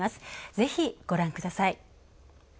ぜひご覧ください。